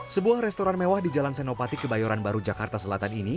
sebuah restoran mewah di jalan senopati kebayoran baru jakarta selatan ini